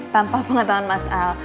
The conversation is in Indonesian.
tanpa pengetahuan mas al